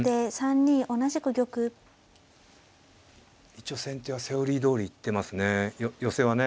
一応先手はセオリーどおり行ってますね寄せはね。